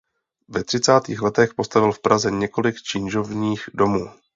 Ve třicátých letech postavil v Praze několik činžovních domů.